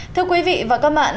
thưa quý vị và các bạn